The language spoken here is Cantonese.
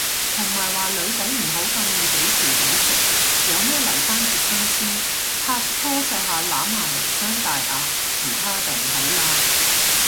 同埋話女仔唔好咁易俾條仔食，有咩留返結婚先，拍拖錫下攬下無傷大雅，其他就唔好嘞